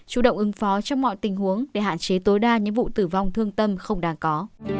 chủ động ứng phó trong mọi tình huống để hạn chế tối đa những vụ tử vong thương tâm không đáng có